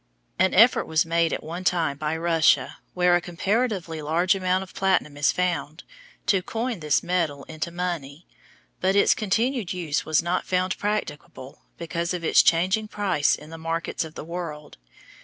An effort was made at one time by Russia, where a comparatively large amount of platinum is found, to coin this metal into money, but its continued use was not found practicable because of its changing price in the markets of the world.